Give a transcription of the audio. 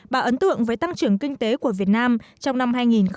bà ấn tượng với tăng trưởng kinh tế của việt nam trong năm hai nghìn một mươi tám